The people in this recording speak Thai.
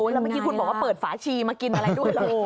แล้วเมื่อกี้คุณบอกว่าเปิดฝาชีมากินอะไรด้วยเหรอ